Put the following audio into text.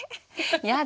やだ